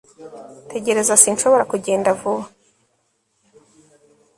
tegereza. sinshobora kugenda vuba